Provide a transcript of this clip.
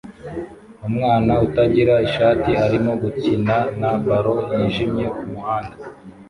Umwana utagira ishati arimo gukina na ballon yijimye kumuhanda